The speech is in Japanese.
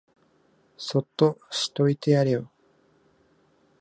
そっとしといてやれよ